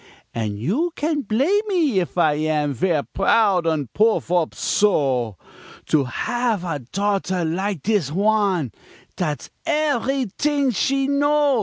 An' you can' blame me if I am Ver' proud an' puff op so, To hav' a daughter like dis wan Dat's everyt'ing she know.